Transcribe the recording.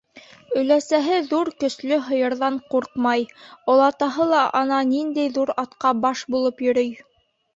Өләсәһе ҙур көслө һыйырҙан ҡурҡмай, олатаһы ла ана ниндәй ҙур атҡа баш булып йөрөй.